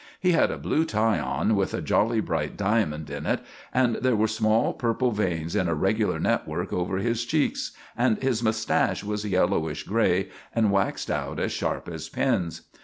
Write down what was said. He had a blue tie on with a jolly bright diamond in it, and there were small purple veins in a regular network over his cheeks, and his mustache was yellowish gray and waxed out as sharp as pins.